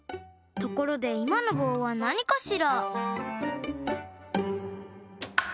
ところでいまのぼうはなにかしら？